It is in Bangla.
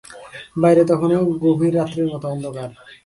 বাইরে তখনো গভীর রাত্রির মতো অন্ধকার।